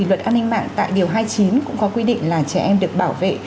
luật an ninh mạng tại điều hai mươi chín cũng có quy định là trẻ em được bảo vệ